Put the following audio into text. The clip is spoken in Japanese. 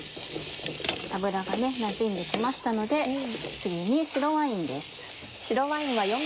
油がなじんで来ましたので次に白ワインです。